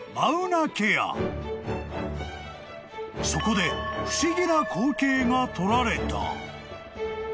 ［そこで不思議な光景が撮られた］